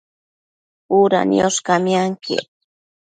Uda niosh camianquiec